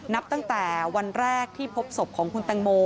นับตั้งแต่วันแรกที่พบศพของคุณตังโม